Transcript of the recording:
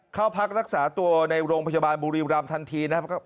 เข้าพักรักษาตัวในโรงพยาบาลบุรีรำทันทีนะครับ